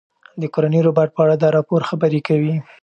د کورني روباټ په اړه دا راپور خبرې کوي.